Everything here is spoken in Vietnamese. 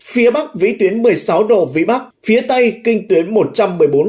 phía bắc vĩ tuyến một mươi sáu độ vn phía tây kinh tuyến một trăm một mươi bốn năm độ vn